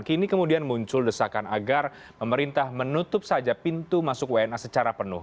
kini kemudian muncul desakan agar pemerintah menutup saja pintu masuk wna secara penuh